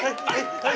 はい！